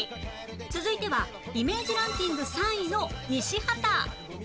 続いてはイメージランキング３位の西畑